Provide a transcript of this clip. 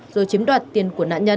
rồi chiếm đoạt tiền của nạn nhân